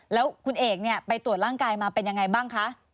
แล้วคุณเอกเนี่ยไปตรวจร่างกายมาเป็นยังไงบ้างคะ